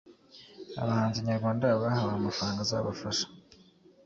Abahanzi nyarwanda bahawe amafaranga azabafaha